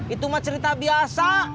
itu mah cerita biasa